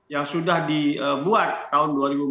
yang sudah dibuat tahun dua ribu empat belas